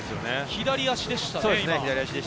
左足でした。